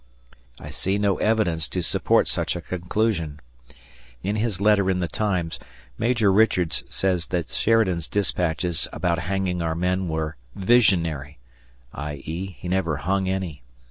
I see no evidence to support such a conclusion. In his letter in the Times, Major Richards says that Sheridan's dispatches about hanging our men were "visionary", i.e., he never hung any.